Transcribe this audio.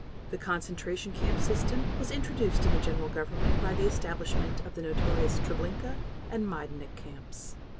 The concentration camp system was introduced in the General Government by the establishment of the notorious Treblinka and Maidaneck camps.